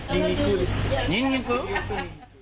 ニンニク？